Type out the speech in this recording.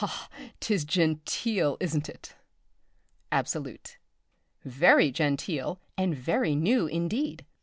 ha! 'tis genteel, isn't it? "Absolute. Very genteel, and very new, indeed!